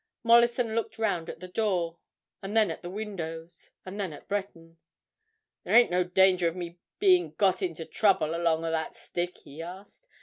Mollison looked round at the door, and then at the windows, and then at Breton. "There ain't no danger of me being got into trouble along of that stick?" he asked.